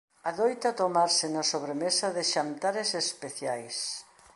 Adoita tomarse na sobremesa de xantares especiais.